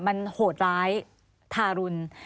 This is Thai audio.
มันโหดร้ายทารุณ